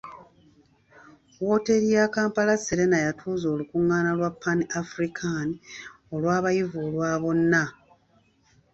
Woteeri ya Kampala Serena yatuuza olukungana lwa Pan African olw'abayivu olwa bonna.